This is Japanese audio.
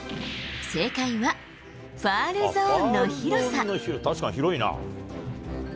正解は、ファウルゾーンの広確かに広いな。